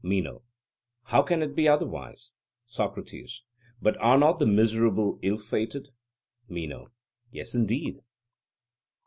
MENO: How can it be otherwise? SOCRATES: But are not the miserable ill fated? MENO: Yes, indeed.